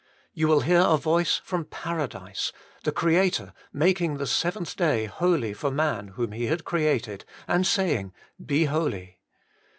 You will hear a voice from Paradise, the Creator making the seventh day holy for man whom He had created, and saying, Be holy.